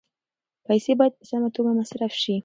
پیسې باید په سمه توګه مصرف شي.